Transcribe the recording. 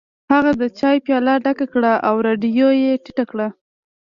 هغه د چای پیاله ډکه کړه او رادیو یې ټیټه کړه